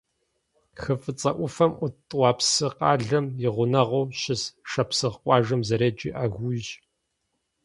Хы ФIыцIэ Iуфэм Iут ТIуапсы къалэм и гъунэгъуу щыс шапсыгъ къуажэм зэреджэр Агуийщ.